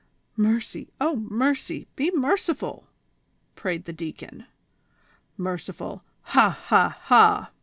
" Mercy, O mercy ! be merciful !" prayed the deacon. "Merciful! ha! ha! ha!